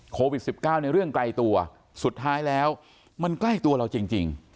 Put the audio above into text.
โควิด๑๙ในเรื่องไกลตัวสุดท้ายแล้วมันใกล้ตัวเราจริง